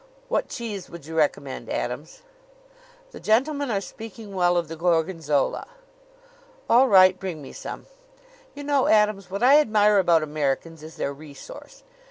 What cheese would you recommend, Adams?" "The gentlemen are speaking well of the Gorgonzola." "All right, bring me some. You know, Adams, what I admire about Americans is their resource.